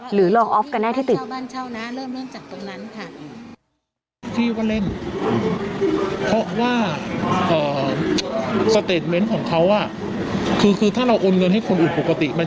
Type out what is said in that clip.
หรือรองออฟกันแน่ที่ติด